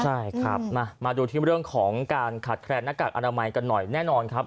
ใช่ครับมาดูที่เรื่องของการขาดแคลนหน้ากากอนามัยกันหน่อยแน่นอนครับ